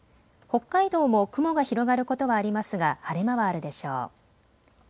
北海道も雲が広がることはありますが晴れ間はあるでしょう。